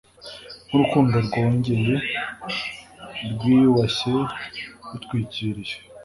nkurukundo rwongeye, rwiyubashye, rutwikiriye